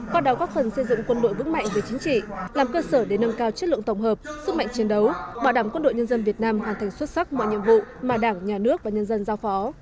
qua đào góp phần xây dựng quân đội vững mạnh về chính trị làm cơ sở để nâng cao chất lượng tổng hợp sức mạnh chiến đấu bảo đảm quân đội nhân dân việt nam hoàn thành xuất sắc mọi nhiệm vụ mà đảng nhà nước và nhân dân giao phó